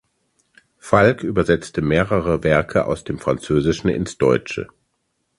Falck übersetzte mehrere Werke aus dem Französischen ins Deutsche.